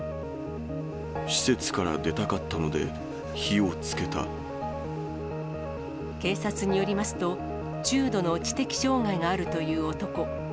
施設から出たかったので、警察によりますと、中度の知的障がいがあるという男。